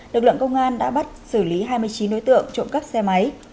lực lượng công an đã bắt xử lý hai mươi chín đối tượng trộm cắp xe máy